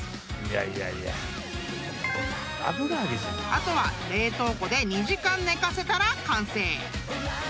［あとは冷凍庫で２時間寝かせたら完成！］